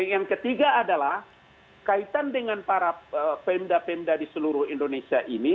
yang ketiga adalah kaitan dengan para pemda pemda di seluruh indonesia ini